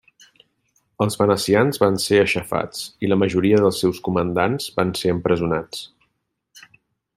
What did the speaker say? Els venecians van ser aixafats, la majoria dels seus comandants van ser empresonats.